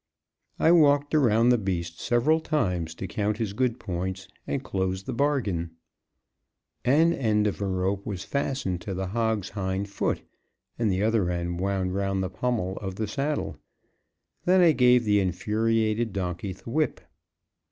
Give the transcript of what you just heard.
I walked around the beast several times to count his good points, and closed the bargain. An end of a rope was fastened to the hog's hind foot, and the other end wound round the pommel of the saddle. Then I gave the infuriated donkey the whip.